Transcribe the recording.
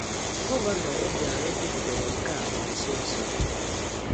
Gọvanọ Obianọ kwupụtara nke a na nsonso a